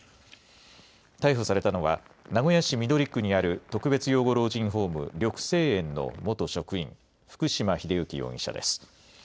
逮捕されたのは、名古屋市緑区にある特別養護老人ホーム、緑生苑の元職員、福島栄行容疑者です。